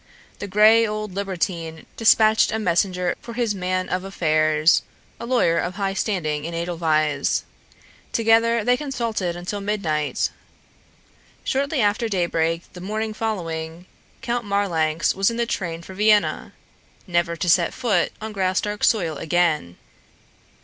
The gray old libertine despatched a messenger for his man of affairs, a lawyer of high standing in Edelweiss. Together they consulted until midnight. Shortly after daybreak the morning following. Count Marlanx was in the train for Vienna, never to set foot on Graustark's soil again.